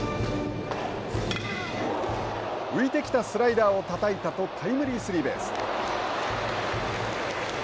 浮いてきたスライダーをたたいたとタイムリースリーベース。